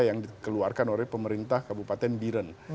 yang dikeluarkan oleh pemerintah kabupaten biren